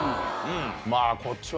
まあこっちはね